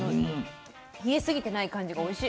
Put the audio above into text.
冷えすぎてない感じがおいしい。